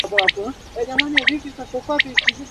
Nifurahike mtima, nipate niyatakayo.